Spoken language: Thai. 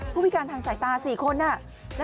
ผู้พิการทางสายตา๔คน